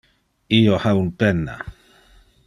Io ha un penna.